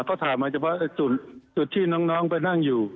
ก็ถ่ายมาเฉพาะจุดที่น้องไปนั่งอยู่